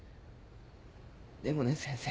でもね先生。